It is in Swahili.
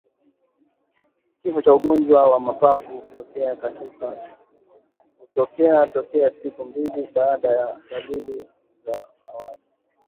Kifo kwa ugonjwa wa mapafu hutokea tokea siku mbili baada ya dalili za awali